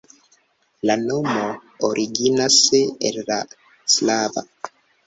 La nomo originas el la slava.